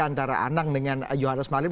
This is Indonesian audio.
antara anang dengan yohannes malim